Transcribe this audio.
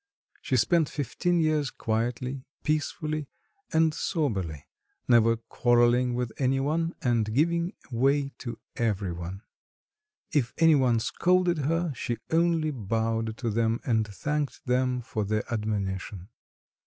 She spent fifteen years quietly, peacefully, and soberly, never quarrelling with any one and giving way to every one. If any one scolded her, she only bowed to them and thanked them for the admonition.